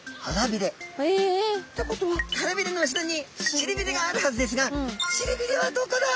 びれの後ろにしりびれがあるはずですがしりびれはどこだ？